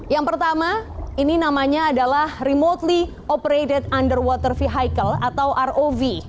yang pertama ini namanya adalah remotely operated underwater vehicle atau rov